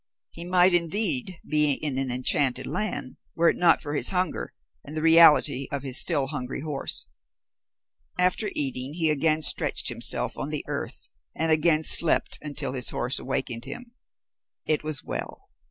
He might indeed be in an enchanted land, were it not for his hunger and the reality of his still hungry horse. After eating, he again stretched himself on the earth and again slept until his horse awakened him. It was well.